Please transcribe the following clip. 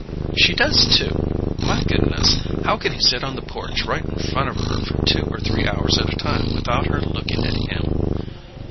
"She does, too! My goodness, how could he sit on the porch, right in front of her, for two or three hours at a time, without her lookin' at him?"